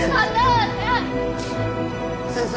先生。